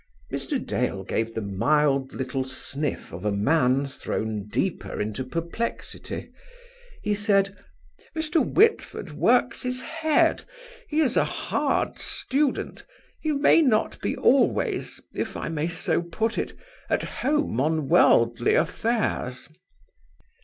Mr. Dale gave the mild little sniff of a man thrown deeper into perplexity. He said: "Mr. Whitford works his head; he is a hard student; he may not be always, if I may so put it, at home on worldly affairs."